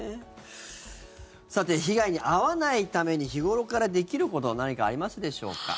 さて被害に遭わないために日頃からできることは何かありますでしょうか？